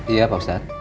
iya pak ustadz